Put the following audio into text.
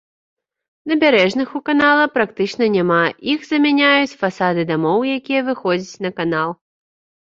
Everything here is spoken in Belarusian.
Набярэжных у канала практычна няма, іх замяняюць фасады дамоў, якія выходзяць на канал.